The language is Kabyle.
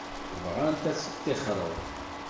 Bɣant ad teṭṭixreḍ.